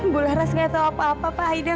bularas gak tau apa apa pak aida